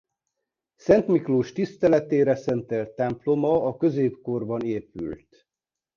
Szent Miklós tiszteletére szentelt temploma a középkorban épült.